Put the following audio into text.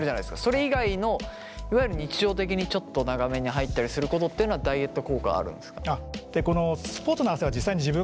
それ以外のいわゆる日常的にちょっと長めに入ったりすることっていうのはダイエット効果あるんですか？